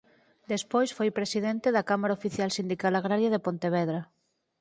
Despois foi presidente da Cámara Oficial Sindical Agraria de Pontevedra.